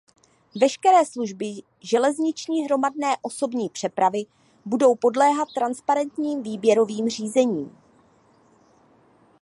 Veškeré služby železniční hromadné osobní přepravy budou podléhat transparentním výběrovým řízením.